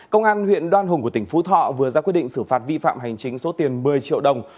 công an huyện đoan hùng của tỉnh phú thọ vừa ra quyết định xử phạt vi phạm hành chính số tiền một mươi triệu đồng